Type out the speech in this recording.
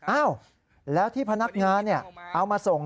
อ้าวแล้วที่พนักงานเอามาส่ง